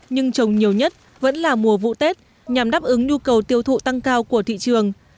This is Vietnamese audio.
nhưng trồng nhiều nhất vẫn là mùa vụ tết nhằm đáp ứng nhu cầu tiêu thụ tăng cao của thị trường